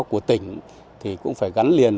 của tỉnh thì cũng phải gắn liền